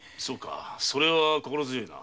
それは心強いな。